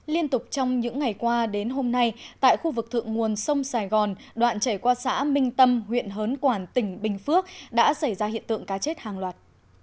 liên tục trong những ngày qua đến hôm nay tại khu vực thượng nguồn sông sài gòn đoạn chảy qua xã minh tâm huyện hớn quản tỉnh bình phước đã xảy ra hiện tượng cá chết hàng loạt